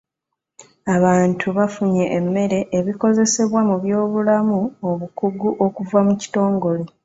Abantu bafunye emmere, ebikozesebwa mu by'obulamu, obukugu okuva mu kitongole.